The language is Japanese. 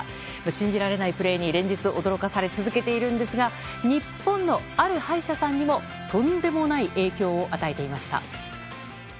信じられないプレーに連日、驚かされ続けていますが日本のある歯医者さんにもとんでもない影響を与えていました。